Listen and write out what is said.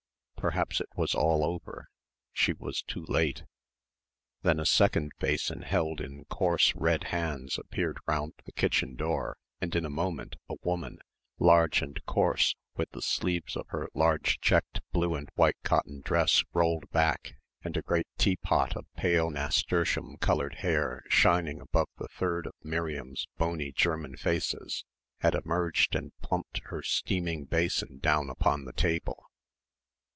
Perhaps it was all over. She was too late. Then a second basin held in coarse red hands appeared round the kitchen door and in a moment a woman, large and coarse, with the sleeves of her large checked blue and white cotton dress rolled back and a great "teapot" of pale nasturtium coloured hair shining above the third of Miriam's "bony" German faces had emerged and plumped her steaming basin down upon the table.